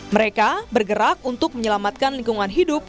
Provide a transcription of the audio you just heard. mereka bergerak untuk menyelamatkan lingkungan hidup